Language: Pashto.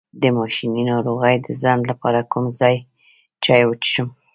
د میاشتنۍ ناروغۍ د ځنډ لپاره کوم چای وڅښم؟